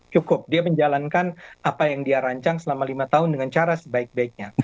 cukup dia menjalankan apa yang dia rancang selama lima tahun dengan cara sebaik baiknya